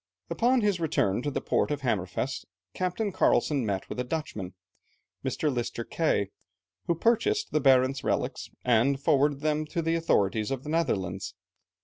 Upon his return to the port of Hammerfest, Captain Carlsen met with a Dutchman, Mr. Lister Kay, who purchased the Barentz relics, and forwarded them to the authorities of the Netherlands.